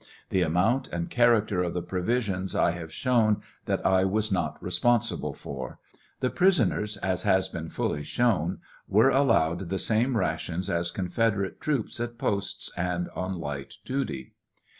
The amount and character of the provisions I have shown that I was not responsible for. The prisoners, as has been fully shown, were al lowed the same rations as confederate troops at posts and on light duty.